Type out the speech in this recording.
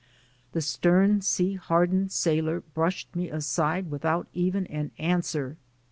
The stern, sea hardened sailor brushed me aside without even an answer.